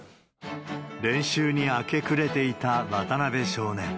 練習に明け暮れていた渡邊少年。